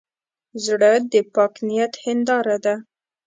زړه د پاک نیت هنداره ده.